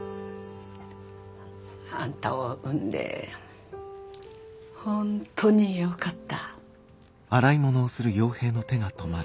あんたを産んで本当によかった。